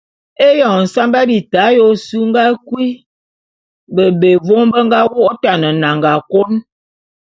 Éyoñ nsamba bita ya ôsu ô nga kui bebé vôm be nga wô’ôtan nnanga kôn.